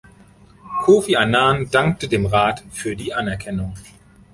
Kofi Annan dankte dem Rat für die Anerkennung.